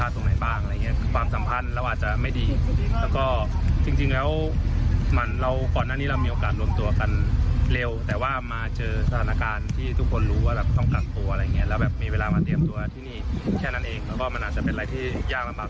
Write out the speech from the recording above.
ที่แบบจะเข้ารอบประมาณ๓๐อะไรอย่างนี้มันก็ยาก